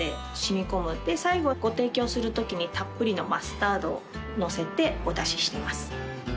で最後ご提供するときにたっぷりのマスタードを載せてお出ししています。